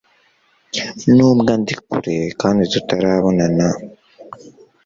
nubwo andi kure kandi tutarabonana